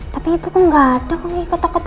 tapi ibu kok gak ada kok